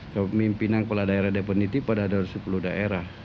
kepemimpinan kepala daerah deponiti pada sepuluh daerah